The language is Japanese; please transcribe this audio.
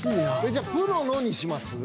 じゃあ「プロの」にします？